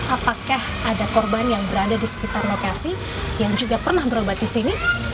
apakah ada korban yang berada di sekitar lokasi yang juga pernah berobat di sini